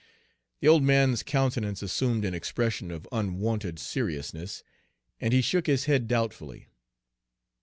The old man's countenance assumed an expression of unwonted seriousness, and he shook his head doubtfully.